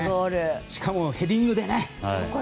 しかも、ヘディングでね。